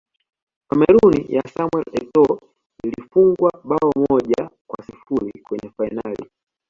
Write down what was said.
cameroon ya samuel etoo ilifungwa bao moja kwa sifuri kwenye fainali